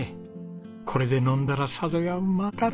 これで飲んだらさぞやうまかろうな。